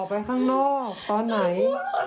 หัวฟาดพื้น